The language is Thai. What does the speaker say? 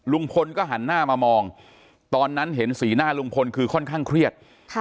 ลุงพลก็หันหน้ามามองตอนนั้นเห็นสีหน้าลุงพลคือค่อนข้างเครียด